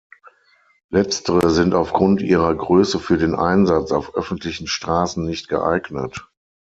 Letztere sind aufgrund ihrer Größe für den Einsatz auf öffentlichen Straßen nicht geeignet.